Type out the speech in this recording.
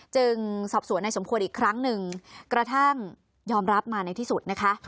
สอบสวนในสมควรอีกครั้งหนึ่งกระทั่งยอมรับมาในที่สุดนะคะ